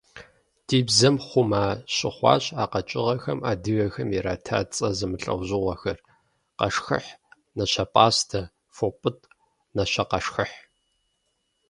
Ди бзэм хъума щыхъуащ а къэкӀыгъэхэм адыгэхэм ирата цӀэ зэмылӀэужьыгъуэхэр: къэшхыхь, нащэпӀастэ, фопӀытӀ, нащэкъэшхыхь.